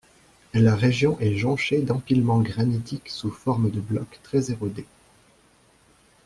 La région est jonchée d'empilements granitiques sous formes de blocs très érodés.